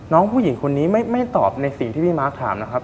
น้องผู้หญิงคนนี้ไม่ตอบในสิ่งที่พี่มาร์คถามนะครับ